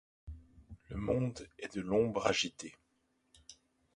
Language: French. Le monde est de l’ombre agitée ;